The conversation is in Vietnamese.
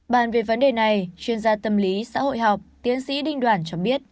bàn về vấn đề này chuyên gia tâm lý xã hội học tiến sĩ đinh đoàn cho biết